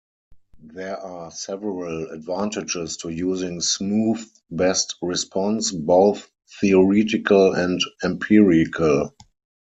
There are several advantages to using smoothed best response, both theoretical and empirical.